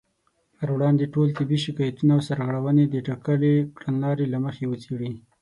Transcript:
پر وړاندې ټول طبي شکايتونه او سرغړونې د ټاکلې کړنلارې له مخې وڅېړي